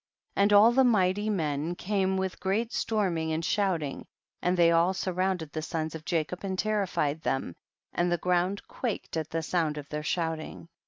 40. And all the mighty men came with great storming and shouting, and they all surrounded the sons of Jacob and terrified them, and the ground quaked at the sound of their shouting.